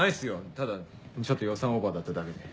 ただちょっと予算オーバーだっただけで。